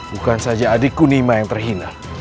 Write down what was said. bukan saja adikku nima yang terhina